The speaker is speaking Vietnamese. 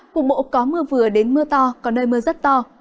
cục bộ có mưa vừa đến mưa to có nơi mưa rất to